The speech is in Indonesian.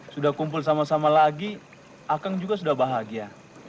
sudah kumpul sama sama lagi akang juga sudah bahagia